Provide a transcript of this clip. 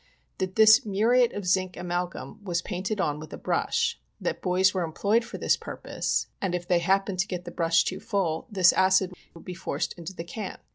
That this muriate of zinc amalgum was painted on with a brush, that boys were employed for this purpose, and if they happened to get the brush too full, this acid would be forced into the can.